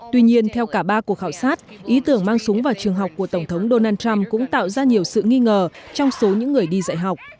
tuy nhiên theo cả ba cuộc khảo sát ý tưởng mang súng vào trường học của tổng thống donald trump cũng tạo ra nhiều sự nghi ngờ trong số những người đi dạy học